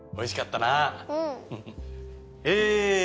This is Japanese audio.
え